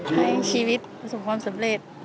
ให้ชีวิตประสบความสำเร็จ